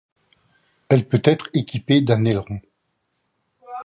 Elle peut être équipée d'un aileron.